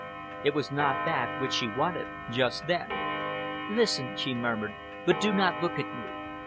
It was not that which she wanted just then. "Listen," she murmured, "but do not look at me.